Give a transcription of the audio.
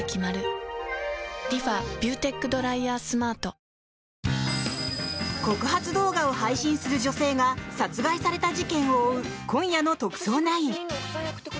東京海上日動告発動画を配信する女性が殺害された事件を追う今夜の「特捜９」。